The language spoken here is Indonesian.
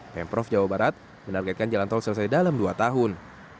pemprov jawa barat menargetkan jalan tol selesai dalam dua tahun